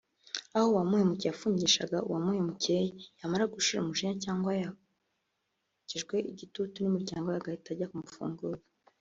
aho uwahemukiwe yafungishaka uwamuhemukiwe yamara gushira umujinya cyangwa yokejwe igitutu n’imiryango agahita ajya kumufunguza